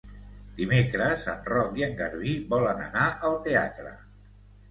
Dimecres en Roc i en Garbí volen anar al teatre.